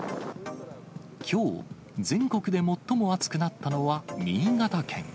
きょう、全国で最も暑くなったのは新潟県。